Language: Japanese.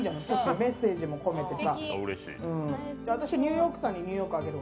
メッセージも込めてさ。